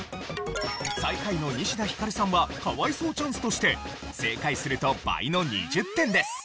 最下位の西田ひかるさんは可哀想チャンスとして正解すると倍の２０点です。